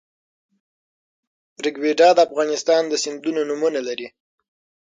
ریګویډا د افغانستان د سیندونو نومونه لري